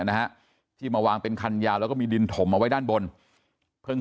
นะฮะที่มาวางเป็นคันยาวแล้วก็มีดินถมเอาไว้ด้านบนเพิ่ง